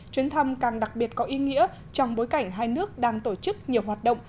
chuyến thăm càng đặc biệt có ý nghĩa trong bối cảnh hai nước đang tổ chức nhiều hoạt động